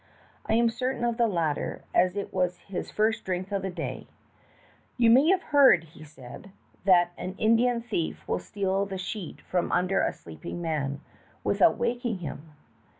I am certain of the latter, as it was his first drink that day. "You may have heard," he s^^id, "that an Indian 19 290 THE TALKING HANDKERCHIEF. thief will steal the sheet from under a sleeping man without waking him.